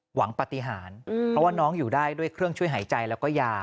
หวังปฏิหารเพราะว่าน้องอยู่ได้ด้วยเครื่องช่วยหายใจแล้วก็ยา